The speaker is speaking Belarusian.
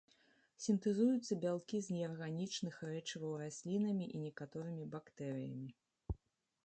Сінтэзуюцца бялкі з неарганічных рэчываў раслінамі і некаторымі бактэрыямі.